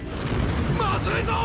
まずいぞ‼